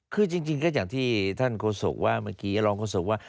คือจริงก็อย่างที่ท่านโฆษกว่าเมื่อกี้รองโฆษกว่า